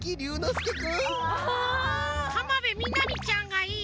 浜辺美波ちゃんがいい。